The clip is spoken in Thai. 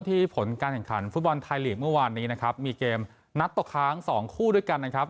ผลการแข่งขันฟุตบอลไทยลีกเมื่อวานนี้นะครับมีเกมนัดตกค้างสองคู่ด้วยกันนะครับ